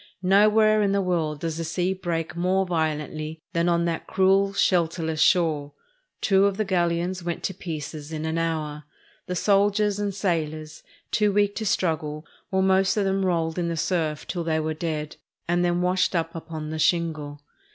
Nowhere in the world does the sea break more violently than on that cruel, shelterless shore. Two of the galleons went to pieces in an hour. The soldiers and sailors, too weak to struggle, were most of them rolled in the surf till they were dead, and then washed up upon the shingle.